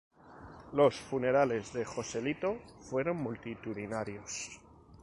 Los funerales de Joselito fueron multitudinarios.